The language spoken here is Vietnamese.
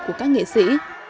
của các nghệ sĩ